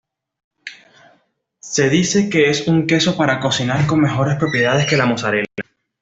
Se dice que es un queso para cocinar con mejores propiedades que la mozzarella.